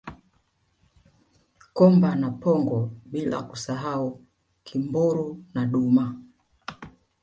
Komba na pongo bila kusahau Kimburu na Duma